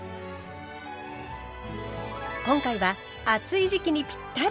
今回は暑い時期にぴったり！